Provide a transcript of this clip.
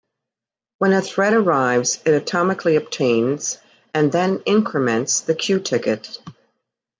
When a thread arrives, it atomically obtains and then increments the queue ticket.